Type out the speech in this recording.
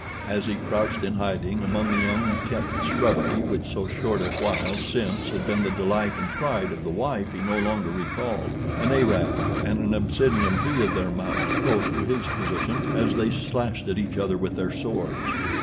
As he crouched in hiding among the unkempt shrubbery which so short a while since had been the delight and pride of the wife he no longer recalled, an Arab and an Abyssinian wheeled their mounts close to his position as they slashed at each other with their swords.